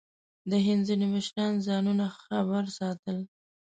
د هند ځینې مشران ځانونه خبر ساتل.